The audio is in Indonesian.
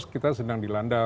kita sedang dilanda